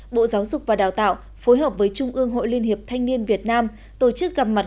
bộ giáo dục và đào tạo phối hợp với trung ương hội liên hiệp thanh niên việt nam tổ chức gặp mặt